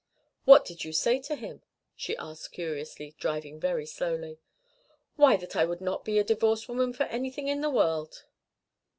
"What did you say to him?" she asked curiously, driving very slowly. "Why, that I would not be a divorced woman for anything in the world."